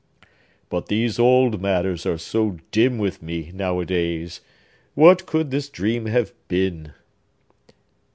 But those old matters are so dim with me, nowadays! What could this dream have been?"